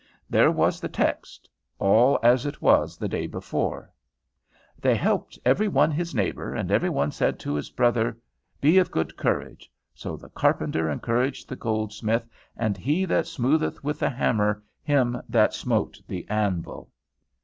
There was the text, all as it was the day before: "They helped every one his neighbor, and every one said to his brother, Be of good courage. So the carpenter encouraged the goldsmith, and he that smootheth with the hammer him that smote the anvil."